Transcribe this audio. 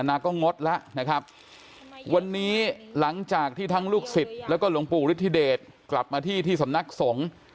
นาก็งดแล้วนะครับวันนี้หลังจากที่ทั้งลูกศิษย์แล้วก็หลวงปู่ฤทธิเดชกลับมาที่ที่สำนักสงฆ์